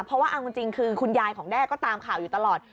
เพราะว่าเอาจริงคือคุณยายของแด้ก็ตามข่าวอยู่ตลอด